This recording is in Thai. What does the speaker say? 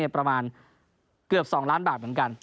ประมาณเกือบ๒ล้านบาทเหมือนกัน